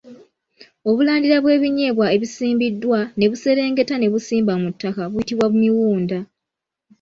Obulandira bwe binyeebwa ebisimbiddwa ne buserengeta ne busimba mu ttaka buyitibwa Miwunda.